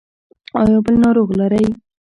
ایا بل ناروغ لرئ؟